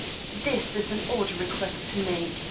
"This is an odd request to make.